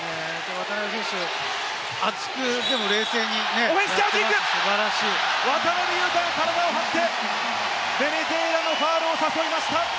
渡邊選手、熱く、でも冷静に。素晴らしい！渡邊雄太、体を張って、ベネズエラのファウルを誘いました。